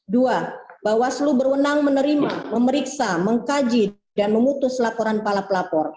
dua bawaslu berwenang menerima